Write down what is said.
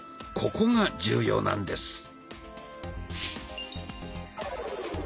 ここが重要なんです。